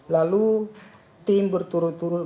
lalu tim berturut turut